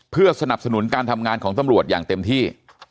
เพื่อสนับสนุนการทำงานของตำรวจอย่างเต็มที่